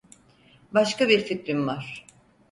Başka bir fikrim var.